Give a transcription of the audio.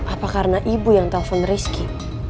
apa karena ibu yang telpon rizky